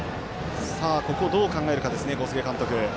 ここをどう考えるかですね小菅監督。